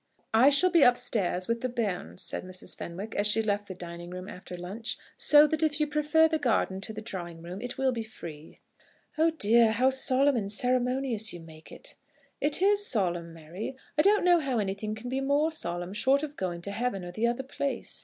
"I shall be upstairs with the bairns," said Mrs. Fenwick, as she left the dining room after lunch, "so that if you prefer the garden to the drawing room, it will be free." "Oh dear, how solemn and ceremonious you make it." "It is solemn, Mary; I don't know how anything can be more solemn, short of going to heaven or the other place.